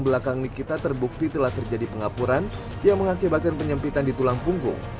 belakang nikita terbukti telah terjadi pengapuran yang mengakibatkan penyempitan di tulang punggung